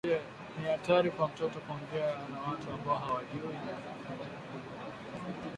Je, ni hatari kwa mtoto kuongea na watu ambao hawajui?